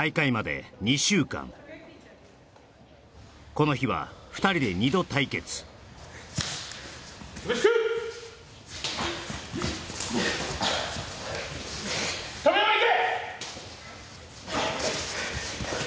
この日は２人で２度対決よっしゃ冨山いけ！